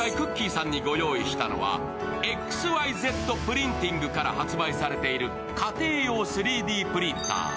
さんにご用意したのはＸＹＺプリンティングから発売されている家庭用３Ｄプリンター。